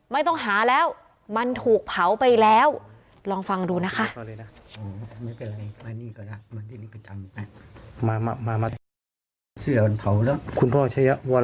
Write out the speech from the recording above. ไม่ต้องหาแล้วมันถูกเผาไปแล้วลองฟังดูนะคะ